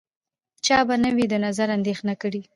چا به نه وي د نظر اندېښنه کړې